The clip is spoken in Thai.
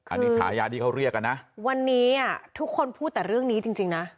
อันนี้ฉายาที่เขาเรียกกันนะวันนี้อ่ะทุกคนพูดแต่เรื่องนี้จริงจริงนะ